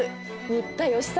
新田義貞。